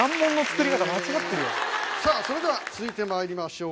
さあそれでは続いてまいりましょう。